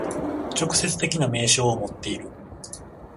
直接的な明証をもっている。